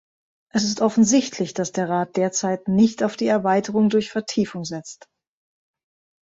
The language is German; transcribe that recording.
Es ist offensichtlich, dass der Rat derzeit nicht auf die Erweiterung durch Vertiefung setzt.